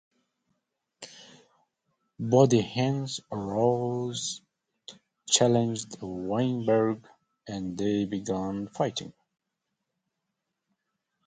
Bodenheim arose, challenged Weinberg, and they began fighting.